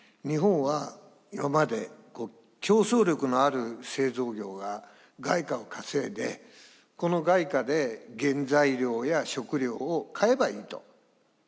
日本は今まで競争力のある製造業が外貨を稼いでこの外貨で原材料や食料を買えばいいと。